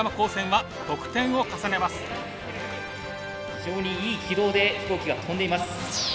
非常にいい軌道で飛行機が飛んでいます。